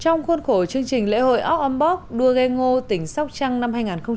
trong khuôn khóa chương trình lễ hội off on box đua ghe ngo tỉnh sóc trăng năm hai nghìn một mươi sáu